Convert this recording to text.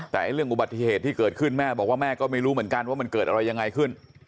แต่เรื่องอุบัติเหตุที่เกิดขึ้นแม่บอกว่าแม่ก็ไม่รู้เหมือนกันว่ามันเกิดอะไรยังไงขึ้น